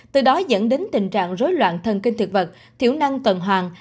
từ đó dẫn đến tình trạng rối loạn thần kinh thực vật thiểu năng tuần hoàng